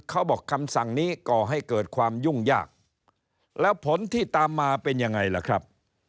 เขาบอกคำสั่งนี้ก่อให้เกิดความยุ่งยากแล้วผลที่ตามมาเป็นยังไงล่ะครับ